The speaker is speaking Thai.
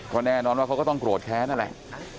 ก็แน่นอนว่าเขาก็ต้องโกรธแค้นนั่นแหละ